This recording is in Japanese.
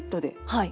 はい。